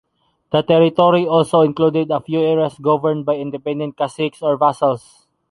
The territory also included a few areas governed by independent caciques or vassals.